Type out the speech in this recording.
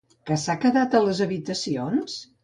Que s'ha quedat a les habitacions?